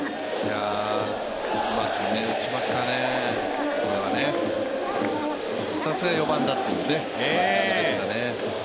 うまく打ちましたね、これはさすが４番だというバッティングでしたね。